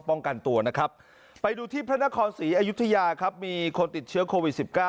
ไปดูที่พระนครศรีอายุทยาครับมีคนติดเชื้อโควิด๑๙